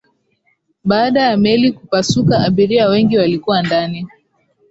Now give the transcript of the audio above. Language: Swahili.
baada ya meli kupasuka abiria wengi walikuwa ndani